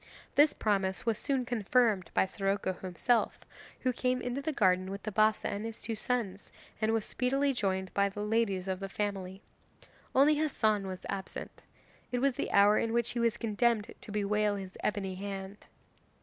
This promise was soon confirmed by Siroco himself, who came into the garden with the Bassa and his two sons, and was speedily joined by the ladies of the family. Only Hassan was absent. It was the hour in which he was condemned to bewail his ebony hand.